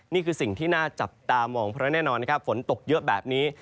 นี่คือสิ่งที่น่าจับตามองเพราะแน่นอนนะครับฝนตกเยอะแบบนี้